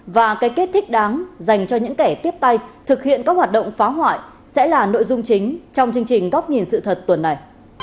và cái kết thích đáng dành cho những kẻ tiếp tay thực hiện các hoạt động phá hoại sẽ là nội dung chính trong chương trình góc nhìn sự thật tuần này